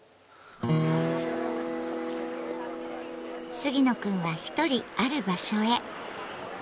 杉野くんは一人ある場所へ。